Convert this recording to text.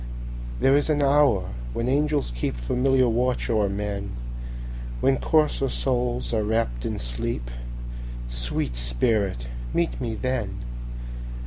There is an hour when angels keepFamiliar watch o'er men, When coarser souls are wrapp'd in sleep—Sweet spirit, meet me then!